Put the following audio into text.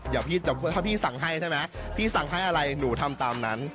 ถ้าพี่สั่งให้ใช่ไหมพี่สั่งให้อะไรหนูทำตามนั้น